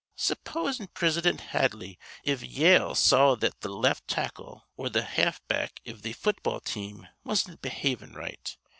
Supposin' Prisidint Hadley iv Yale see that th' left tackle or th' half back iv th' football team wasn't behavin' right.